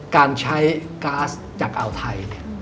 การใช้ก๊าซจากอ่าวไทย